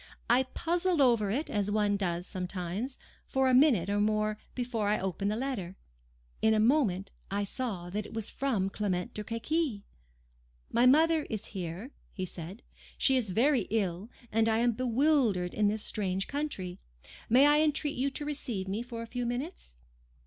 I puzzled over it, as one does sometimes, for a minute or more, before I opened the letter. In a moment I saw it was from Clement de Crequy. 'My mother is here,' he said: 'she is very ill, and I am bewildered in this strange country. May I entreat you to receive me for a few minutes?